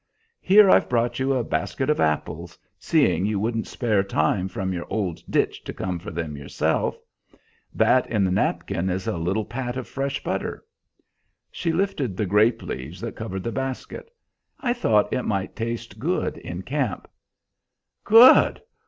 Here I've brought you a basket of apples, seeing you wouldn't spare time from your old ditch to come for them yourself. That in the napkin is a little pat of fresh butter." She lifted the grape leaves that covered the basket. "I thought it might taste good in camp." "Good!